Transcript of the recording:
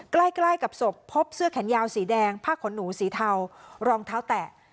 ใกล้ใกล้กับศพพบเสื้อแขนยาวสีแดงผ้าขนหนูสีเทารองเท้าแตะ